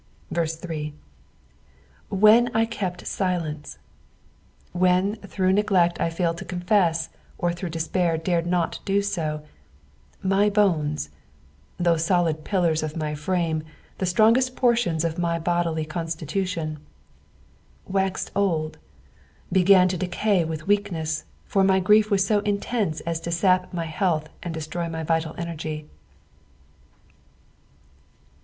8. "Witen I h»pt rilenee." When through neglect I foiled to confess, or through despair dated not do so, "my bonei," those solid pillars of my frame, the strongest portions of my bodily constitution, '' waxed old,'" began to decay with weakness, for my grief was so intense as to sap my health and destroy my vital energy.